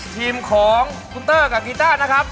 ทีมของคุณเตอร์กับกีต้านะครับ